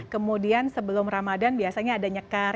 kemudian sebelum ramadhan biasanya ada nyekar